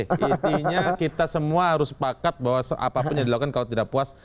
intinya kita semua harus sepakat bahwa apapun yang dilakukan kalau tidak puas